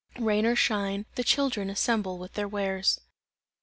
Rain or shine, the children assemble with their wares.